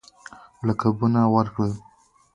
لقبونه ورکړل.